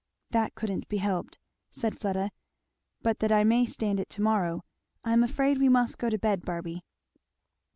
"That couldn't be helped," said Fleda; "but that I may stand it to morrow I am afraid we must go to bed, Barby."